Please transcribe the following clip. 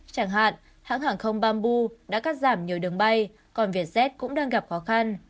chẳng hạn hãng hàng không bamboo đã cắt giảm nhiều đường bay còn vietjet cũng đang gặp khó khăn